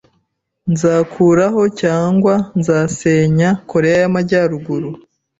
Nzakuraho cyangwa nzasenya Koreya y’Amajyaruguru